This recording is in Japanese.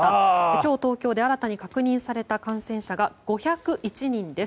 今日、東京で新たに確認された感染者は５０１人です。